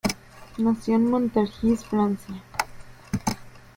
Nació en Montargis, Francia.